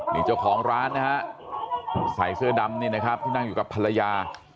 นี่เจ้าของร้านนะฮะใส่เสื้อดำนี่นะครับที่นั่งอยู่กับภรรยา